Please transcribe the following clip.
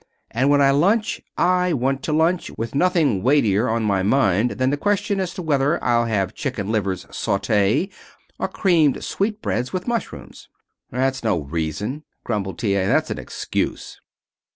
And when I lunch I want to lunch, with nothing weightier on my mind than the question as to whether I'll have chicken livers saute or creamed sweetbreads with mushrooms." "That's no reason," grumbled T. A. "That's an excuse."